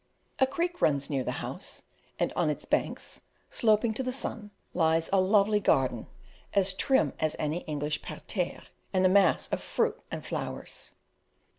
A creek runs near the house, and on its banks, sloping to the sun, lies a lovely garden, as trim as any English parterre, and a mass of fruit and flowers.